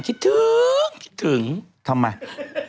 คิดถึงคิดถึงทำไม